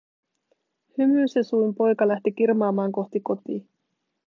Hymyssä suin poika lähti kirmaamaan kohti kotia.